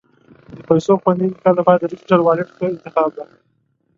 د پیسو خوندي انتقال لپاره ډیجیټل والېټ ښه انتخاب دی.